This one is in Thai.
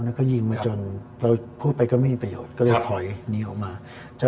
แล้วก็ยิงมาจนเราพูดไปก็ไม่มีประโยชน์ก็เลยถอยหนีออกมา